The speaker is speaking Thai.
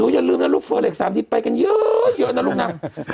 อย่าลืมนะลูกเฟอร์เล็ก๓ที่ไปกันเยอะนะลูกนะ